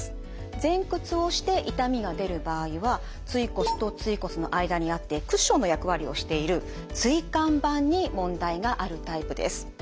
前屈をして痛みが出る場合は椎骨と椎骨の間にあってクッションの役割をしている椎間板に問題があるタイプです。